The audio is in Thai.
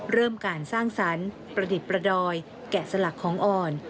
เริ่มการสร้างสรรค์ประดิษฐ์ประดอยแกะสลักของอ่อน